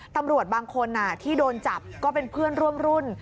ตำรวจบางคนที่โดนจับก็เป็นเพื่อนร่วมรุ่น